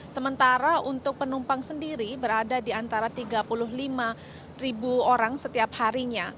sementara untuk penumpang sendiri berada di antara tiga puluh lima ribu orang setiap harinya